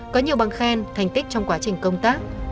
có nhiều bằng khen thành tích trong quá trình công tác